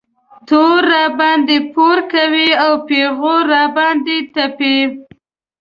تور راباندې پورې کوي او پېغور را باندې تپي.